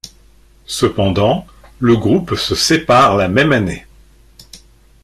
Cependant, le groupe se sépare la même année.